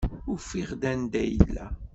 Ufiɣ-d anda ay yella.